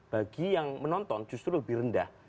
bagi yang menonton justru lebih rendah